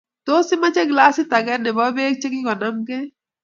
Tos, imache glasit age nebo beek chegigonamgei?